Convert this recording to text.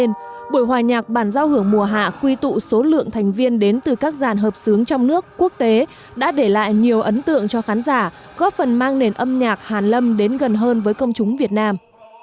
trong buổi hòa nhạc bản giao hưởng mùa hạ quy tụ số lượng thành viên đến từ các dàn hợp sướng trong nước quốc tế đã để lại nhiều ấn tượng cho khán giả góp phần mang nền âm nhạc hàn lâm đến gần hơn với công chúng việt nam